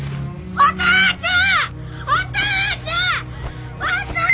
お父ちゃん！